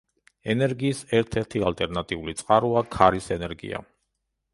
ენერგიის ერთ-ერთი ალტერნატიული წყაროა ქარის ენერგია.